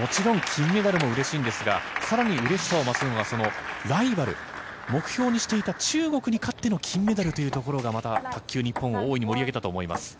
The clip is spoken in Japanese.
もちろん金メダルもうれしいんですが、さらにうれしさを増すのがライバル、目標としていた中国に勝っての金メダルというところが、日本を大いに盛り上げたと思います。